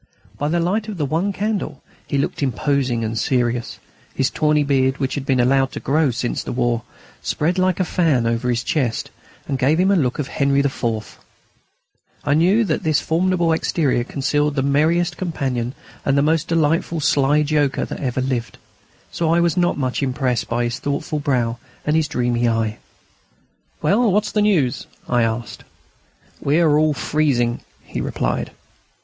By the light of the one candle he looked imposing and serious. His tawny beard, which he had allowed to grow since the war, spread like a fan over his chest, and gave him a look of Henri IV. I knew that this formidable exterior concealed the merriest companion and the most delightful sly joker that ever lived. So I was not much impressed by his thoughtful brow and his dreamy eye. "Well, what's the news?" I asked. "We are all freezing," he replied.